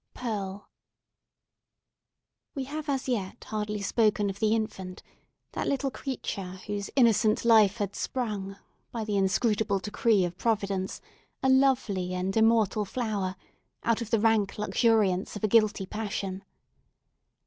PEARL We have as yet hardly spoken of the infant; that little creature, whose innocent life had sprung, by the inscrutable decree of Providence, a lovely and immortal flower, out of the rank luxuriance of a guilty passion.